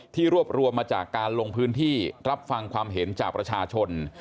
รวบรวมมาจากการลงพื้นที่รับฟังความเห็นจากประชาชน